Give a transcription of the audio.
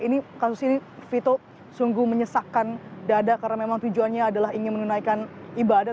ini kasus ini vito sungguh menyesakkan dada karena memang tujuannya adalah ingin menunaikan ibadah